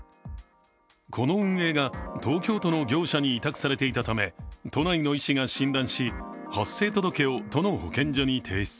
この運営が東京都の業者に委託されていたため都内の医師が診断し発生届を都の保健所に提出。